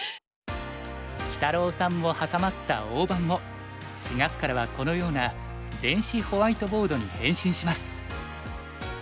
きたろうさんも挟まった大盤も４月からはこのような電子ホワイトボードに変身します。